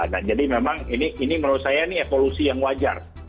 nah jadi memang ini menurut saya ini evolusi yang wajar